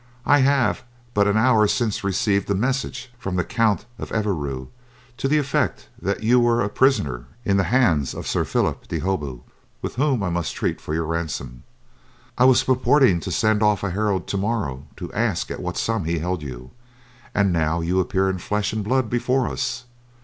I have but an hour since received a message from the Count of Evreux to the effect that you were a prisoner in the bands of Sir Phillip de Holbeaut, with whom I must treat for your ransom. I was purporting to send off a herald tomorrow to ask at what sum he held you; and now you appear in flesh and blood before us!